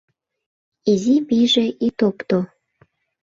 Изи пийже ит опто...